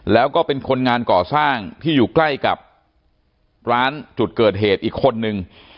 แล้วก็เป็นคนงานก่อสร้างที่อยู่ใกล้กับร้านจุดเกิดเหตุอีกคนนึง